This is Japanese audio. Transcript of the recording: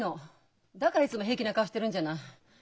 だからいつも平気な顔してるんじゃない。